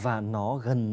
và nó gần